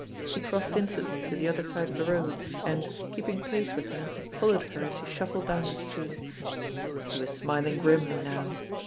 He crossed instantly to the other side of the road, and, keeping pace with her, followed her as she shuffled down the street, He was smiling grimly now.